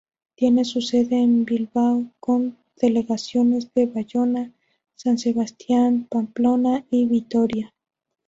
Tiene su sede en Bilbao, con delegaciones en Bayona, San Sebastián, Pamplona y Vitoria.